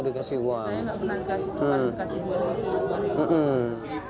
saya gak pernah dikasih uang dikasih dua dua uang